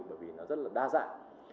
bởi vì nó rất là đa dạng